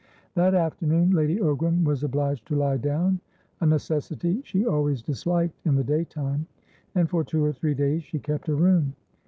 That afternoon Lady Ogram was obliged to lie down, a necessity she always disliked in the daytime, and for two or three days she kept her room.